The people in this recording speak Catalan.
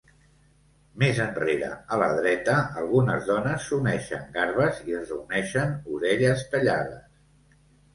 Més enrere, a la dreta, algunes dones s'uneixen garbes i es reuneixen orelles tallades.